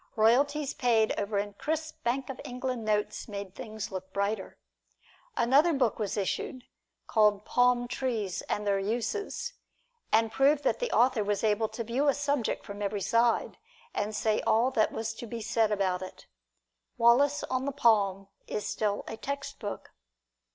Royalties paid over in crisp Bank of England notes made things look brighter. Another book was issued, called, "Palm Trees and Their Uses," and proved that the author was able to view a subject from every side, and say all that was to be said about it. "Wallace on the Palm" is still a textbook.